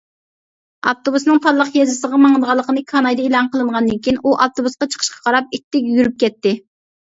ئاپتوبۇسنىڭ تاللىق يېزىسىغا ماڭىدىغانلىقى كانايدا ئېلان قىلىنغاندىن كېيىن ئۇ ئاپتوبۇسقا چىقىشقا قاراپ ئىتتىك يۈرۈپ كەتتى.